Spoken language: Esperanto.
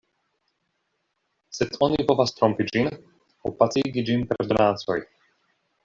Sed oni povas trompi ĝin aŭ pacigi ĝin per donacoj.